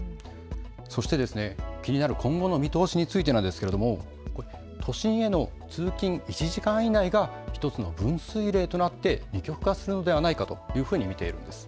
そして気になる今後の見通しについてですが都心への通勤１時間以内が１つの分水れいとなって二極化するのではないかというふうに見ているんです。